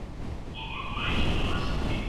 د وینا په خلاف ممکن دلایل پیدا کړه.